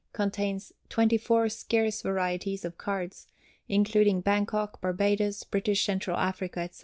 Contains 24 scarce varieties of Cards, including Bangkok, Barbados, British Central Africa, etc.